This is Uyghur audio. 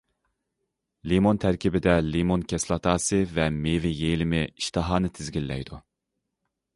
لىمون تەركىبىدە لىمون كىسلاتاسى ۋە مېۋە يېلىمى ئىشتىھانى تىزگىنلەيدۇ.